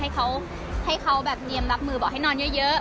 ให้เขาให้เขาแบบเตรียมรับมือบอกให้นอนเยอะ